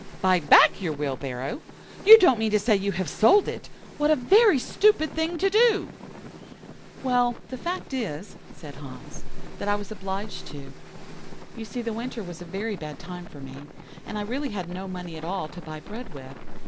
"'Buy back your wheelbarrow? You don't mean to say you have sold it? What a very stupid thing to do!' "'Well, the fact is,' said Hans, 'that I was obliged to. You see the winter was a very bad time for me, and I really had no money at all to buy bread with.